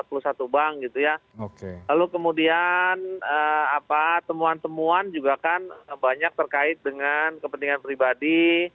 lalu kemudian temuan temuan juga kan banyak terkait dengan kepentingan pribadi